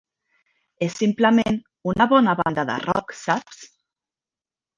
És simplement una bona banda de rock, saps?